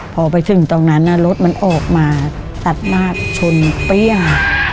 พอไปถึงตรงนั้นรถมันออกมาตัดหน้าชนเปรี้ยง